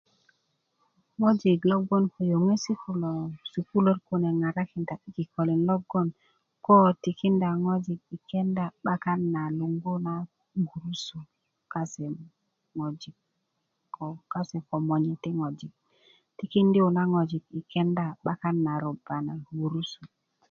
ŋojik lo bgoŋ ko yoŋesi kulo sukuluöt kune a ŋarakinda i kikölin logon ko tikinda ŋojik i kenda 'bakan na lungu na gurusu kase ŋojik ko kase komoney ti ŋojik tikindo na ŋojik i kenda 'bakan na gurusu